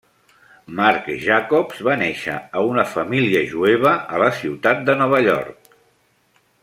Marc Jacobs va néixer a una família jueva a la ciutat de Nova York.